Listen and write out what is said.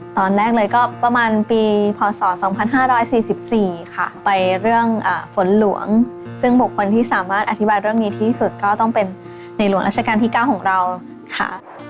ตอนแรกเลยก็ประมาณปีพศ๒๕๔๔ค่ะไปเรื่องฝนหลวงซึ่งบุคคลที่สามารถอธิบายเรื่องนี้ที่สุดก็ต้องเป็นในหลวงราชการที่๙ของเราค่ะ